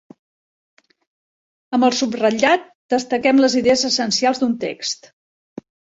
Amb el subratllat destaquem les idees essencials d'un text.